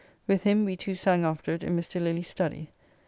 With him we two sang afterward in Mr. Lilly's study.